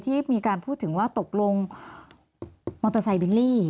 ที่มีการพูดถึงว่าตกลงมอเตอร์ไซค์บิลลี่